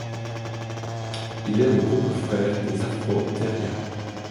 Il est le groupe frère des afrothériens.